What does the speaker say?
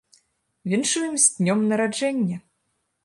Віншуем з днём нараджэння!